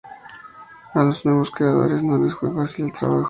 A los nuevos creadores no les fue fácil el trabajo.